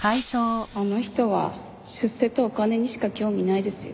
あの人は出世とお金にしか興味ないですよ。